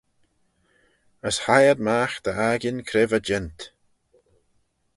As hie ad magh dy 'akin cre va jeant.